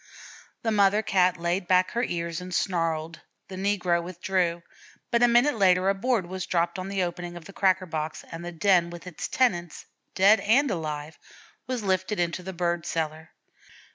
The mother Cat laid back her ears and snarled. The negro withdrew, but a minute later a board was dropped on the opening of the cracker box, and the den with its tenants, dead and alive, was lifted into the bird cellar.